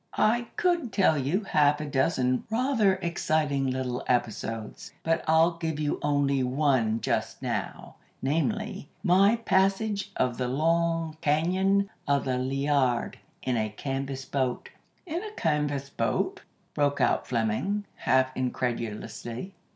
I could tell you half a dozen rather exciting little episodes, but I'll give you only one just now, namely, my passage of the Long Cañon of the Liard in a canvas boat." "In a canvas boat?" broke out Fleming, half incredulously.